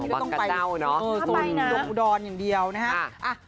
บังกระเจ้าส่วนดกดอนอย่างเดียวนะฮะ